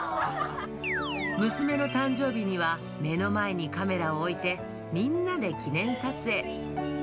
娘の誕生日には、目の前にカメラを置いて、みんなで記念撮影。